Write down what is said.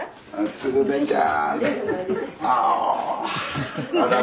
鶴瓶ちゃん！